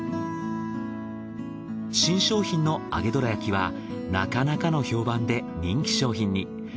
新商品の揚げどら焼きはなかなかの評判で人気商品に。